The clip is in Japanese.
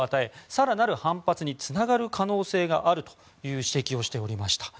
更なる反発につながる可能性があるという指摘をしておりました。